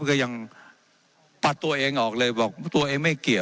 เจ้าหน้าที่ของรัฐมันก็เป็นผู้ใต้มิชชาท่านนมตรี